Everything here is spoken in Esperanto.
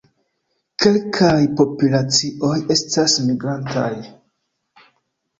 Kelkaj populacioj estas migrantaj.